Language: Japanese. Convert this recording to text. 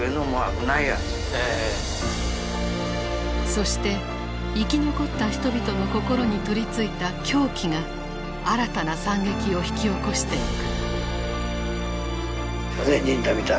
そして生き残った人々の心に取りついた狂気が新たな惨劇を引き起こしていく。